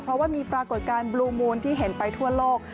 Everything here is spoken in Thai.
เพราะว่ามีปรากฏการณ์บลูมูลที่เห็นไปทั่วโลก